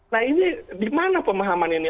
nah ini di mana pemahaman ini